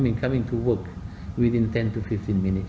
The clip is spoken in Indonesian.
anda bisa bekerja sepuluh hingga lima belas menit